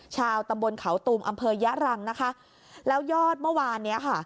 ชาวตำบลเขาตูมอำเภอยะรังนะคะแล้วยอดเมื่อวานเนี้ยค่ะ